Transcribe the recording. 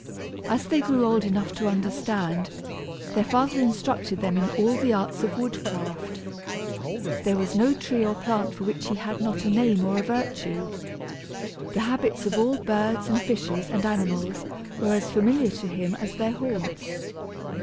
As they grew old enough to understand, their father instructed them in all the arts of woodcraft. There was no tree or plant for which he had not a name or a virtue. The habits of all birds and fishes and animals were as familiar to him as their haunts.